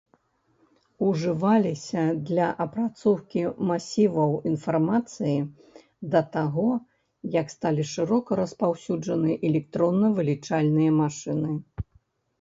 Ужываліся для апрацоўкі масіваў інфармацыі да таго, як сталі шырока распаўсюджаны электронна-вылічальныя машыны.